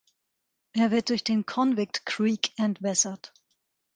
Er wird durch den Convict Creek entwässert.